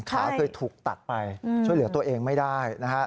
เคยถูกตัดไปช่วยเหลือตัวเองไม่ได้